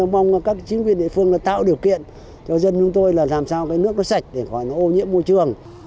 mong các chính quyền địa phương là tạo điều kiện cho dân chúng tôi là làm sao cái nước nó sạch để gọi là ô nhiễm môi trường